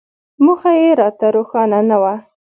موخه یې راته روښانه نه وه.